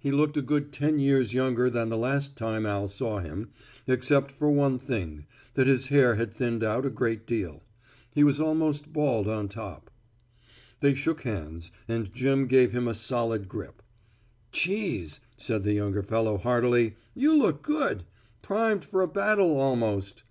He looked a good ten years younger than the last time Al saw him, except for one thing, that his hair had thinned out a great deal. He was almost bald on top. They shook hands and Jim gave him a solid grip. "Cheese," said the younger fellow heartily, "you look good primed for a battle, almost."